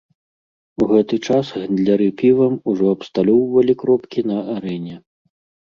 У гэты час гандляры півам ужо абсталёўвалі кропкі на арэне.